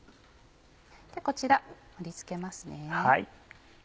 こちら盛り付けますね。